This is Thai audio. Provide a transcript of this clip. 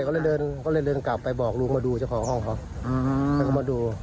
ก็เลยเดินกลับไปบอกรูมาดูเจ้าของห้องเขาเกิดมาดู